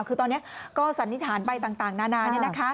คือตอนนี้ก็สันนิษฐานไปต่างนานา